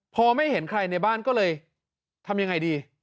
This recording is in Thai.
พอไม่เห็นใครในบ้านก็เลยทำยังไงดี